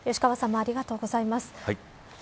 吉川さんもありがとうございます。